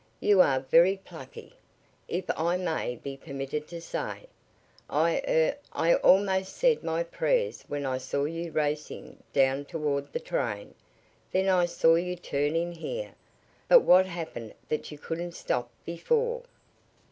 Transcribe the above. You are very plucky, if I may be permitted to say so. I er I almost said my prayers when I saw you racing down toward the train. Then I saw you turn in here. But what happened that you couldn't stop before?"